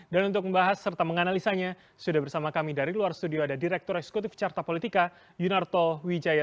dan untuk membahas serta menganalisanya sudah bersama kami dari luar studio ada direktur eksekutif carta politika yunarto wijaya